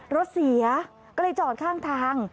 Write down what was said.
รถเสียก็เลยจอดข้างทาง